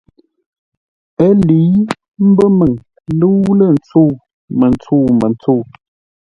Ə́ lə̌i mbə́ məŋ lə́u-lə̂-ntsəu, mə́ntsə́u-mə́ntsə́u.